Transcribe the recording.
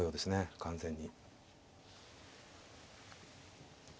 完全に。